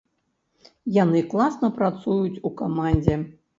Яны класна працуюць у камандзе.